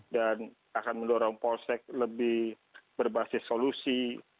dan akan mendorong polsek lebih berbasis solusi